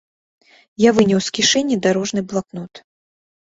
Я выняў з кішэні дарожны блакнот.